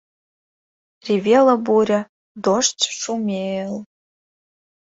Ревела буря, дождь шуме-э-эл...